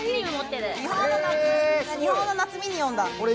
日本の夏ミニオン。